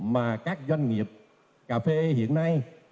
mà các doanh nghiệp cà phê hiện nay